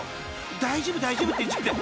大丈夫大丈夫って言っちゃって］